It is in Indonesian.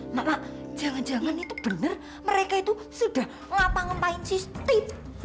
mak mak jangan jangan itu bener mereka itu sudah ngapa ngapain si steve